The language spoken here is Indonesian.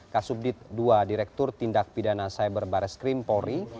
kasubdit dua direktur tindak pidana cyber baris krim polri